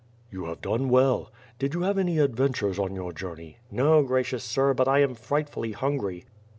"You have done well. Did you have any adventures on your journey?" "No, gracious sir, but I am frightfully hungry."